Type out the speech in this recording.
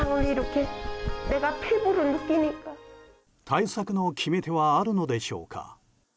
対策の決め手はあるのでしょうか。